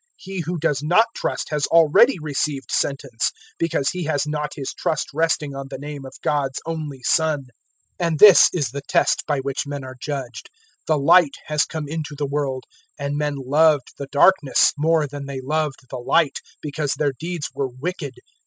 He who does not trust has already received sentence, because he has not his trust resting on the name of God's only Son. 003:019 And this is the test by which men are judged the Light has come into the world, and men loved the darkness more than they loved the Light, because their deeds were wicked.